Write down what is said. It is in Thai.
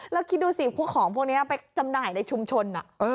แล้วคิดดูสิพวกของพวกนี้ไปจำหน่ายในชุมชน